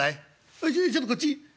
「あちょちょっとこっち」。